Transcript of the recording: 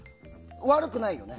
悪くないよね。